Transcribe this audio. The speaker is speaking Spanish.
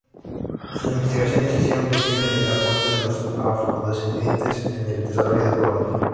Sus investigaciones hicieron visible el aporte de los Afrodescendientes en el desarrollo de Colombia.